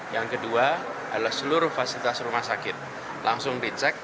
yang kedua adalah seluruh fasilitas rumah sakit langsung dicek